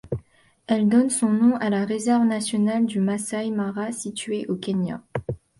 Elle donne son nom à la réserve nationale du Masai Mara située au Kenya.